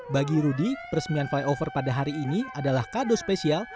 bagi rudy peresmian flyover pada hari ini adalah kado spesial